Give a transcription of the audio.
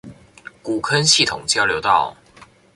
古坑系統交流道